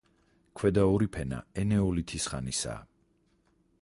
ქვედა ორი ფენა ენეოლითის ხანისაა.